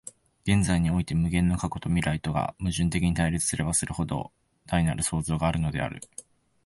現在において無限の過去と未来とが矛盾的に対立すればするほど、大なる創造があるのである。